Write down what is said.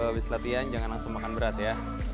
habis latihan jangan langsung makan berat ya